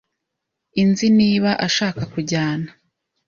inzi niba ashaka kujyana.